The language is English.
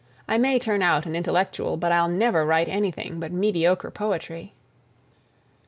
I may turn out an intellectual, but I'll never write anything but mediocre poetry."